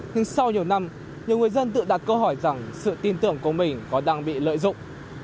nhưng sau nhiều năm nhiều người dân tự đặt câu hỏi rằng sự tin tưởng của mình còn đang bị lợi dụng